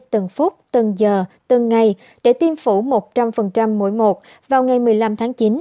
từng phút từng giờ từng ngày để tiêm phủ một trăm linh mỗi một vào ngày một mươi năm tháng chín